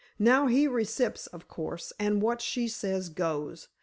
Now, he recips, of course, and what she says goes.